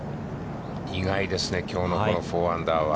意外ですね、きょうの４アンダーは。